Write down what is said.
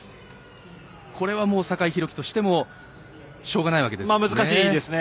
これは酒井宏樹としてもしょうがないわけですね。